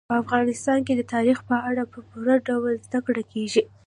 په افغانستان کې د تاریخ په اړه په پوره ډول زده کړه کېږي.